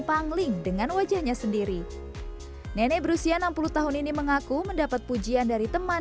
pangling dengan wajahnya sendiri nenek berusia enam puluh tahun ini mengaku mendapat pujian dari teman